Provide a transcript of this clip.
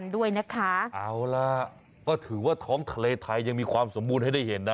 ด้วยนะคะเอาล่ะก็ถือว่าท้องทะเลไทยยังมีความสมบูรณ์ให้ได้เห็นนะ